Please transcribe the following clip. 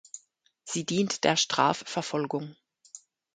Sie dient der Strafverfolgung.